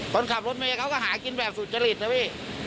คนขับรถเมย์เขาก็หากินแบบสุจริตนะพี่